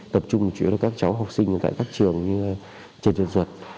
tập trung chủ yếu là các cháu học sinh tại các trường như trần trường duật